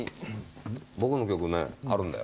僕の曲ねあるんだよ。